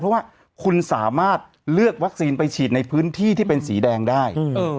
เพราะว่าคุณสามารถเลือกวัคซีนไปฉีดในพื้นที่ที่เป็นสีแดงได้